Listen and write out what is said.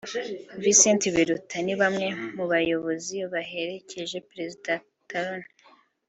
Vincent Biruta ni bamwe mu bayobozi baherekeje Perezida Talon